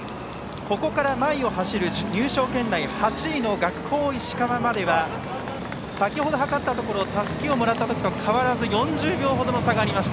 ここから前を走る入賞圏内８位の学法石川までは先程、計ったところたすきをもらった時と変わらず４０秒程の差があります。